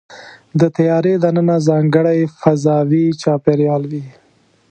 د طیارې دننه ځانګړی فضاوي چاپېریال وي.